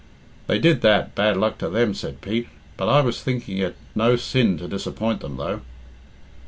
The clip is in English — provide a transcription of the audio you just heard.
"They did that, bad luck to them," said Pete; "but I was thinking it no sin to disappoint them, though."